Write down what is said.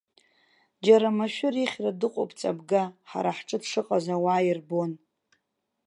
Џьара машәыр ихьра дыҟоуп ҵабга, ҳара ҳҿы дшыҟаз ауаа ирбон.